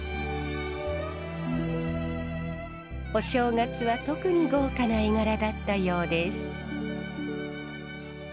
お正月は特に豪華な絵柄だったようです。